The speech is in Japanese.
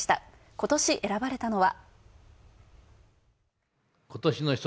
ことし、選ばれたのは。